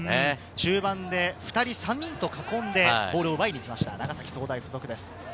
中盤で２人、３人と囲んで、ボールを奪いに行きました、長崎総大附属です。